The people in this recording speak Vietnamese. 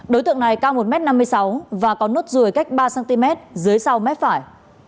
đối tượng này cao một m năm mươi sáu và có nốt ruồi cách ba cm dưới sau mép phải